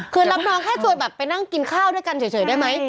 คือรับน้องแค่จวยแบบไปนั่งกินข้าวด้วยกันเฉยได้ไหม